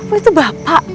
gila mokok itu bapak